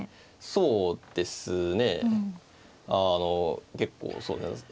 そうですね。